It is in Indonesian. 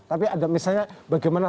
tapi ada misalnya bagaimana